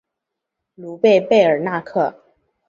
卢贝贝尔纳克。